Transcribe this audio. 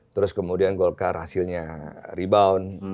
terus kemudian golkar hasilnya rebound